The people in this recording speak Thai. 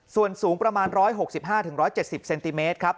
ส่วนสูงประมาณ๑๖๕๑๗๐เซนติเมตรครับ